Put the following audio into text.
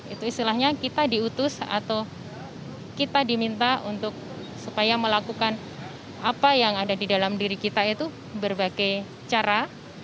itu istilahnya kita diutus atau kita diminta untuk supaya melakukan apa yang ada di dalam diri kita itu berbagai cara